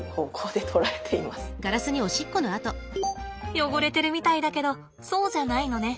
汚れてるみたいだけどそうじゃないのね。